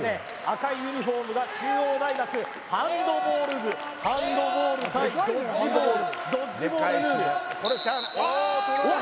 赤いユニフォームが中央大学ハンドボール部ハンドボール対ドッジボールドッジボールああー！